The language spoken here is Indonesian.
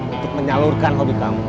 untuk menyalurkan hobi kamu